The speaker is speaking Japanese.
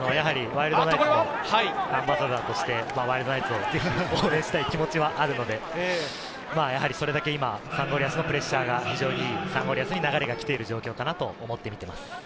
ワイルドナイツのアンバサダーとしてワイルドナイツを応援したい気持ちはあるので、それだけ今、サンゴリアスのプレッシャーが、流れが来ている状況かなと思って見ています。